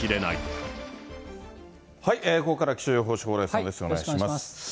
ここから気象予報士、蓬莱さよろしくお願いします。